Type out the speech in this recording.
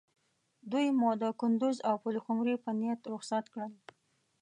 دوی مو د کندوز او پلخمري په نیت رخصت کړل.